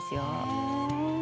へえ。